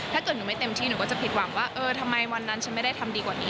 ถ้าเกิดหนูไม่เต็มที่หนูก็จะผิดหวังว่าเออทำไมวันนั้นฉันไม่ได้ทำดีกว่านี้